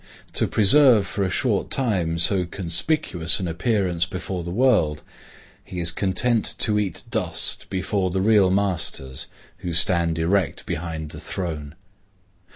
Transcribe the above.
To preserve for a short time so conspicuous an appearance before the world, he is content to eat dust before the real masters who stand erect behind the throne.